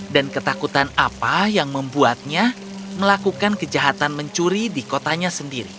dan ketakutan apa yang membuatnya melakukan kejahatan mencuri di kotanya sendiri